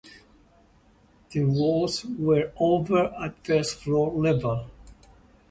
The walls were over at first floor level.